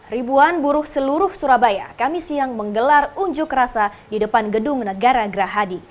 ribuan buruh seluruh surabaya kami siang menggelar unjuk rasa di depan gedung negara gerahadi